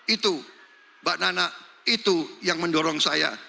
itu mbak nana itu yang mendorong saya